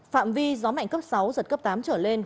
phạm vi gió mạnh cấp sáu giật cấp tám trở lên